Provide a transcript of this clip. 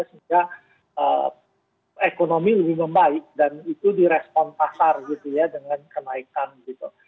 sehingga ekonomi lebih membaik dan itu direspon pasar gitu ya dengan kenaikan gitu